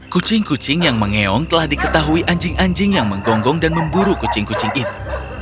kucing kucing yang mengeong telah diketahui anjing anjing yang menggonggong dan memburu kucing kucing itu